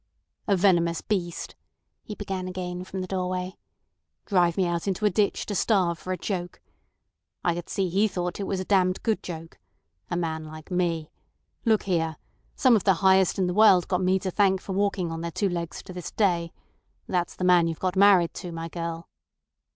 "A venomous beast," he began again from the doorway. "Drive me out into a ditch to starve for a joke. I could see he thought it was a damned good joke. A man like me! Look here! Some of the highest in the world got to thank me for walking on their two legs to this day. That's the man you've got married to, my girl!"